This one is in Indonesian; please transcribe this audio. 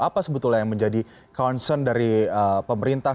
apa sebetulnya yang menjadi concern dari pemerintah